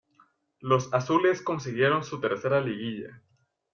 Los "azules" consiguieron su tercera liguilla.